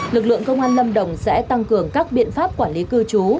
lực lượng công an lâm đồng sẽ tăng cường các biện pháp quản lý cư trú